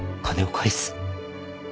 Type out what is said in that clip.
金を返す。